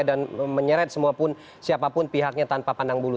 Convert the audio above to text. dan menyeret siapapun pihaknya tanpa pandang bulu